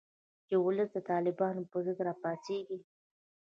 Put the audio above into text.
چې ولس د طالبانو په ضد راپاڅیږي